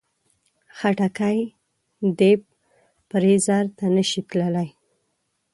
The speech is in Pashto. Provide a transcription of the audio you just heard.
خټکی ډیپ فریزر ته نه شي تللی.